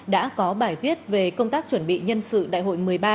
đã có bài viết về công tác chuẩn bị nhân sự đại hội một mươi ba